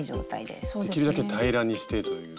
できるだけ平らにしてという。